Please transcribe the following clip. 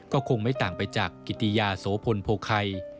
ก็คงไม่ต่างไปจากกิติยาโสพลโพคัย